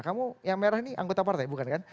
kamu yang merah ini anggota partai bukan kan